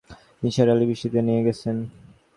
নিসার আলি বৃষ্টিতে নেয়ে গেছেন।